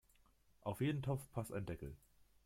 Auf jeden Topf passt ein Deckel.